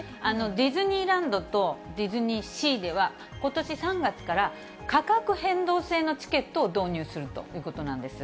ディズニーランドとディズニーシーでは、ことし３月から、価格変動制のチケットを導入するということなんです。